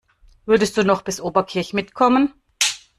Würdest du noch bis Oberkirch mitkommen?